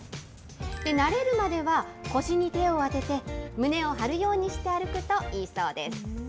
慣れるまでは、腰に手を当てて、胸を張るようにして歩くといいそうです。